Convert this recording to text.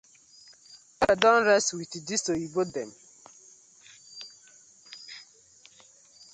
Pepper don rest wit dis oyibo dem.